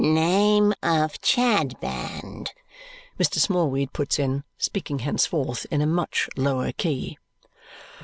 "Name of Chadband," Mr. Smallweed puts in, speaking henceforth in a much lower key.